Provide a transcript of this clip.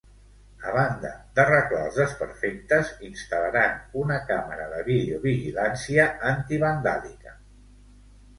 A banda d'arreglar els desperfectes, instal·laran una càmera de videovigilància antivandàlica.